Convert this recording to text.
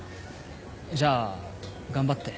じゃあ頑張って。